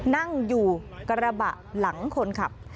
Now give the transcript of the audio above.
นั่งอยู่กระบะหลังคนขับ